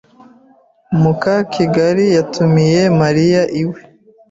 Mukakigali yatumiye Mariya iwe.